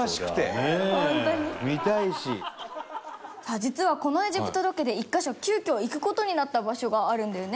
実はこのエジプトロケで１カ所急遽行く事になった場所があるんだよね？